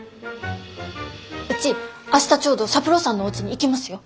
うち明日ちょうど三郎さんのおうちに行きますよ。